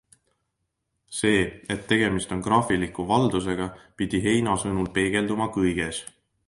See, et tegemist oli krahvliku valdusega, pidi Heina sõnul peegelduma kõiges.